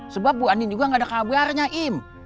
sebab bu andin juga gak ada kabarnya im